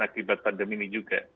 akibat pandemi ini juga